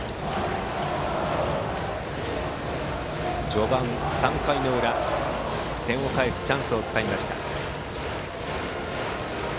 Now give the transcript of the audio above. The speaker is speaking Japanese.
序盤、３回の裏点を返すチャンスをつかみました。